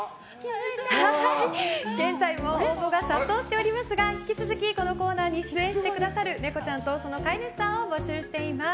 現在も応募が殺到しておりますが引き続き、このコーナーに出演してくださるネコちゃんとその飼い主さんを募集しています。